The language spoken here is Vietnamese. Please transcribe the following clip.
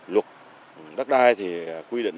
luật đất đai thì quy định